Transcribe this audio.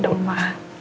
ya dong ma